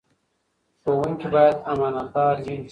ښوونکي باید امانتدار وي.